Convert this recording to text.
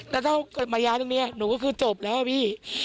แล้วถ้าเกิดมาย้ายตรงนี้หนูก็คือจบแล้วพี่